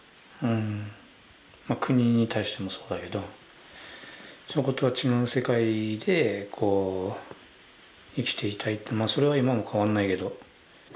国に対してもそうだけどそことは違う世界で生きていたいってそれは今も変わらないけど。